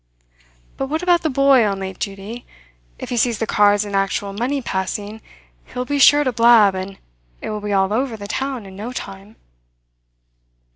But what about the boy on late duty? If he sees the cards and actual money passing, he will be sure to blab, and it will be all over the town in no time."